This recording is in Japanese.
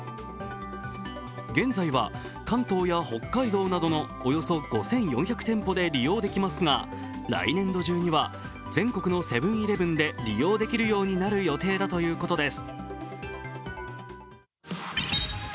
現在は関東や北海道などのおよそ５４００店舗で利用できますが来年度中には全国のセブン−イレブンで利用できるようになる予定だということです。